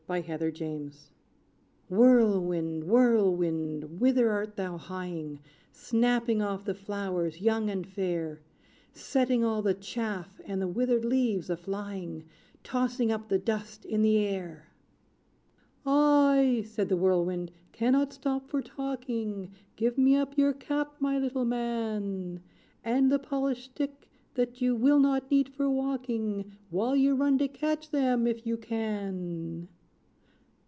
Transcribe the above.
=The Whirlwind= Whirlwind, Whirlwind, whither art thou hieing, Snapping off the flowers young and fair; Setting all the chaff and the withered leaves a flying, Tossing up the dust in the air? "I," said the Whirlwind, "cannot stop for talking! Give me up your cap, my little man; And the polished stick, that you will not need for walking. While you run to catch them, if you can!